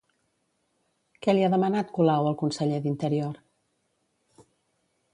Què li ha demanat Colau al conseller d'Interior?